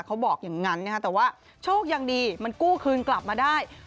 เขาบอกอย่างนั้นนะคะแต่ว่าโชคยังดีมันกู้คืนกลับมาได้